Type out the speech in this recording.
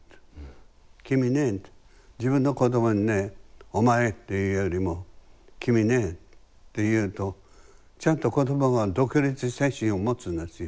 君ね自分の子供にねお前って言うよりも君ねって言うとちゃんと子供が独立精神を持つんですよ。